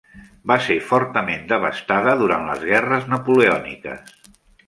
Va ser fortament devastada durant les guerres napoleòniques.